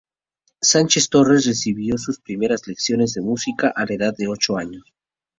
Sánchez Torres recibió sus primeras lecciones de música a la edad de ocho años.